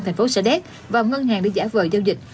thành phố sa đéc vào ngân hàng để giả vời giao dịch